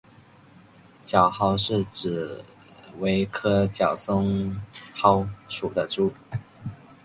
角蒿是紫葳科角蒿属的植物。